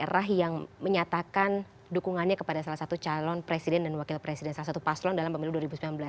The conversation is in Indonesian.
daerah yang menyatakan dukungannya kepada salah satu calon presiden dan wakil presiden salah satu paslon dalam pemilu dua ribu sembilan belas